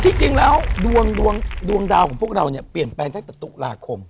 จริงแล้วดวงดาวของพวกเราเนี่ยเปลี่ยนแปลงตั้งแต่ตุลาคม